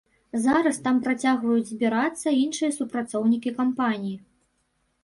Зараз там працягваюць збірацца іншыя супрацоўнікі кампаніі.